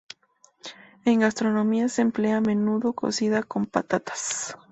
En gastronomía se emplea a menudo cocida con patatas.